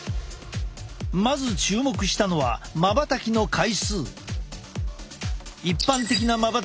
まず注目したのはまばたきの回数。